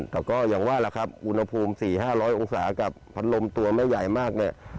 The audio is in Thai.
แต่ก็อย่างว่าล่ะครับอุณหภูมิ๔๕๐๐องศากับพัดลมตัวไม่ใหญ่มากเนี่ย